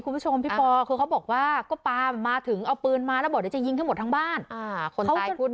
เขาก็เลยบอกว่าแบบนี้มันต้องป้องกันตัวด้วยก่อน